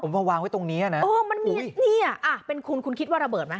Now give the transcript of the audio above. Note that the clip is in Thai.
มันวางไว้ตรงนี้อะนะโอ้ยเป็นคุณคุณคิดว่าระเบิดมั้ย